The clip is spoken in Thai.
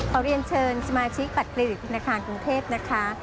ขอเรียนเชิญสมาชิกบัตรเครดิตธนาคารกรุงเทพนะคะ